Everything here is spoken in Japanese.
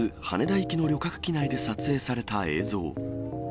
羽田行きの旅客機内で撮影された映像。